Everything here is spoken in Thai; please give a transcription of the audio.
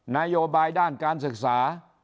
นโยบายด้านการศึกษา